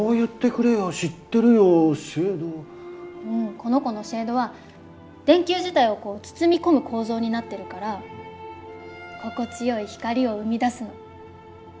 この子のシェードは電球自体を包み込む構造になってるから心地よい光を生み出すの。